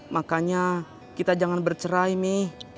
makanya kita jangan bercerai nih